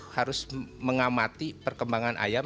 harus mengamati perkembangan ayam